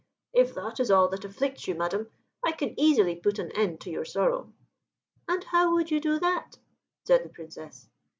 "If that is all that afflicts you, Madam, I can easily put an end to your sorrow." "And how would you do that?" said the Princess.